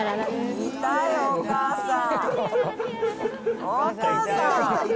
いたよ、お母さん！